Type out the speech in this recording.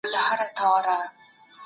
ښه ذهنیت راتلونکی نه خرابوي.